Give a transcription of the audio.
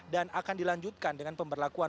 dan akan dilanjutkan dengan perubahan sistem pentarifan